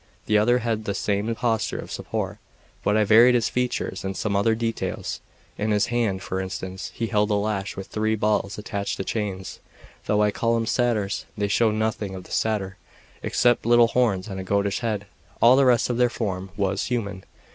The other had the same posture of support; but I varied his features and some other details; in his hand, for instance, he held a lash with three balls attached to chains. Though I call them satyrs, they showed nothing of the satyr except little horns and a goatish head; all the rest of their form was human.